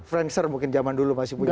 frank sir mungkin zaman dulu masih punya ya